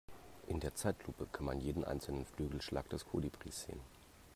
In der Zeitlupe kann man jeden einzelnen Flügelschlag des Kolibris sehen.